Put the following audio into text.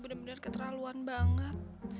bener bener keterlaluan banget